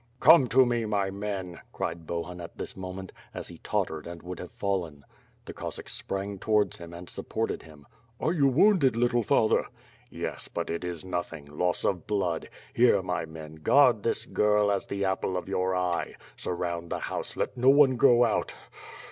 "Come to me, my men," cried Bohun at this moment, as he tottered and would have fallen. The ( ospacks sprnn^ towards him and supported him. "Are you wounded, little father?" WITH FIRE AXD JSWORD, 23 1 "Yes, but it is nothing; loss of blood. Here, my men, guard this girl as the apple of your eye. Surround the house; let no one go out.